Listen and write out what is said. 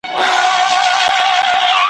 لار به وي ورکه له کاروانیانو `